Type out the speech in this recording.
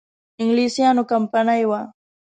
انګلیسیانو کمپنی وه.